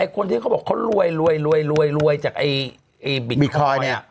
คนที่เขาบอกเขารวยจากบิทคอยน์